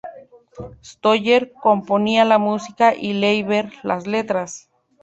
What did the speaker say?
Stoller componía la música y Leiber las letras.